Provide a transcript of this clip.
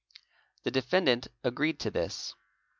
The defendant agreed to this.